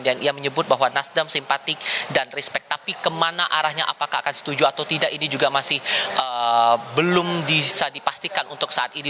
dan ia menyebut bahwa nasdem simpatik dan respect tapi kemana arahnya apakah akan setuju atau tidak ini juga masih belum bisa dipastikan untuk saat ini